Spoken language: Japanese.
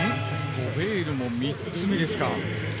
ゴベールも３つ目ですか。